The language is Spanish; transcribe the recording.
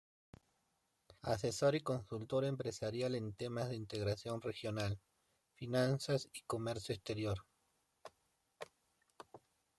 Asesor y Consultor Empresarial en temas de Integración Regional, Finanzas y Comercio Exterior.